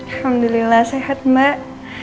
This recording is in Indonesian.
alhamdulillah sehat mbak